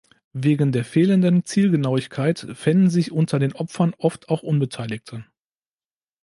Wegen der fehlenden Zielgenauigkeit fänden sich unter den Opfern oft auch Unbeteiligte.